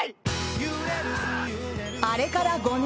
あれから５年。